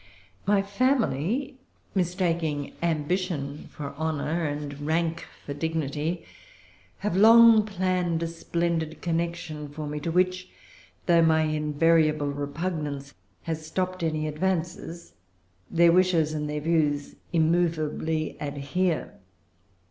My family, mistaking ambition for honor, and rank for dignity, have long planned a splendid connection for me, to which, though my invariable repugnance has stopped any advances, their wishes and their views immovably adhere.